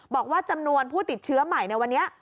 บอกว่าจำนวนผู้ติดเชื้อใหม่ในวันนี้